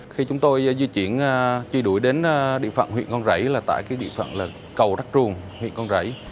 khi chúng tôi di chuyển truy đuổi đến địa phận huyện con rảy là tại cái địa phận là cầu rắc truồng huyện con rảy